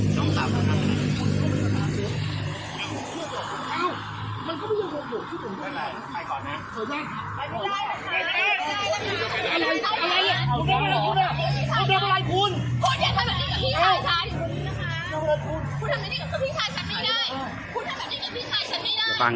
ทำแบบนี้กับพี่ชายฉันไม่ได้เดี๋ยวฉันคุยเอง